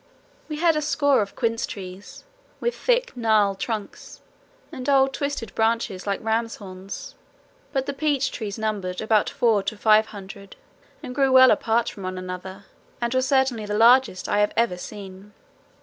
We had a score of quince trees, with thick gnarled trunks and old twisted branches like rams' horns, but the peach trees numbered about four to five hundred and grew well apart from one another, and were certainly the largest I have ever seen.